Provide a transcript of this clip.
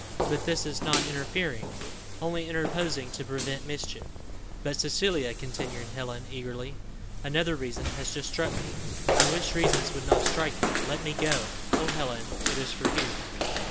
"But this is not interfering, only interposing to prevent mischief." "But, Cecilia," continued Helen eagerly, "another reason has just struck me." "I wish reasons would not strike you. Let me go. Oh, Helen; it is for you."